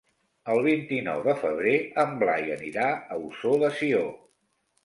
El vint-i-nou de febrer en Blai anirà a Ossó de Sió.